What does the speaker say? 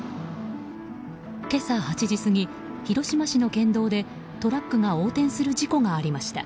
今朝８時過ぎ、広島市の県道でトラックが横転する事故がありました。